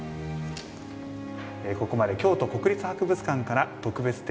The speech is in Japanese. ここまで京都国立博物館から特別展